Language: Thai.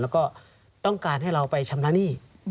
แล้วก็ต้องการให้เราไปชำระหนี้